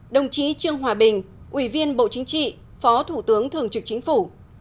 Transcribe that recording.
đồng chí trương hòa bình ủy viên bộ chính trị phó thủ tướng thường trực chính phủ